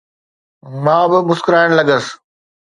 مان به مسڪرائڻ لڳس.